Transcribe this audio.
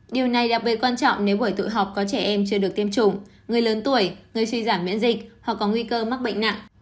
điều này đặc biệt quan trọng nếu buổi tự học có trẻ em chưa được tiêm chủng người lớn tuổi người suy giảm miễn dịch hoặc có nguy cơ mắc bệnh nặng